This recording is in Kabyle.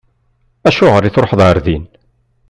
Acuɣer i tṛuḥeḍ ɣer din?